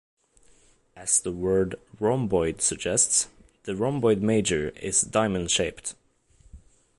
As the word "rhomboid" suggests, the rhomboid major is diamond-shaped.